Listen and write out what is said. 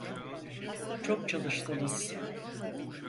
Çok çalıştınız.